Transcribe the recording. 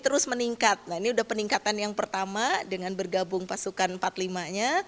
terus meningkat nah ini sudah peningkatan yang pertama dengan bergabung pasukan empat puluh lima nya